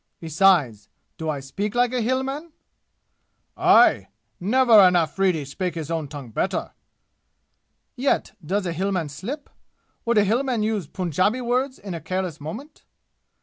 Besides do I speak like a Hillman?" "Aye! Never an Afridi spake his own tongue better!" "Yet does a Hillman slip? Would a Hillman use Punjabi words in a careless moment?"'